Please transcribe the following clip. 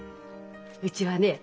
うちはねえ